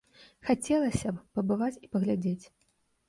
Хацелася б пабываць і паглядзець.